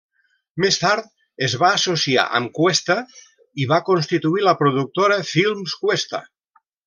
Més tard es va associar amb Cuesta i va constituir la productora Films Cuesta.